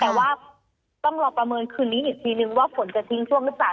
แต่ว่าต้องรอประเมินคืนนี้อีกทีนึงว่าฝนจะทิ้งช่วงหรือเปล่า